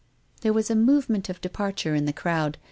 There was a movement of departure in the crowd.